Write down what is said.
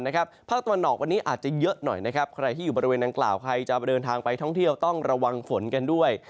ภาคตะวันออกวันนี้อาจจะเยอะหน่อยนะครับใครที่อยู่บริเวณนางกล่าวใครจะเดินทางไปท่องเที่ยวต้องระวังฝนกันด้วย